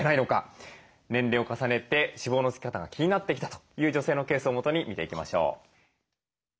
年齢を重ねて脂肪のつき方が気になってきたという女性のケースをもとに見ていきましょう。